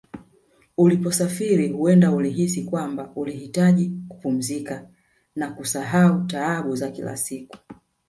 Uliposafiri huenda ulihisi kwamba ulihitaji kupumzika na kusahau taabu za kila siku